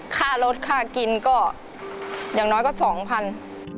ค่ารถค่ากินก็อย่างน้อยก็๒๐๐๐บาท